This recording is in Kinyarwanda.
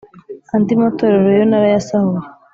Andi matorero yo narayasahuye